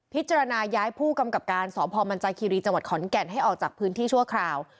พิจารณาย้ายผู้กำกับการสมคขแก่นให้ออกจากพื้นที่ชั่วคราว